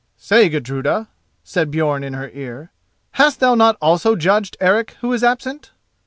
"Say, Gudruda," said Björn in her ear, "hast thou not also judged Eric who is absent?"